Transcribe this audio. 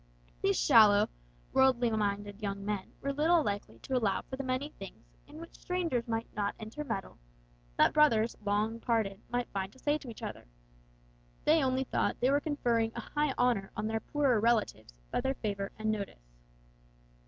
These shallow, worldly minded young men were little likely to allow for the many things, in which strangers might not intermeddle, that brothers long parted might find to say to each other; they only thought that they were conferring a high honour on their poorer relatives by their favour and notice.